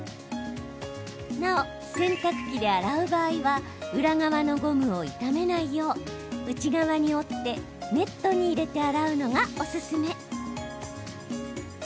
なお、洗濯機で洗う場合は裏側のゴムを傷めないよう内側に折ってネットに入れて洗うのがおすすめ。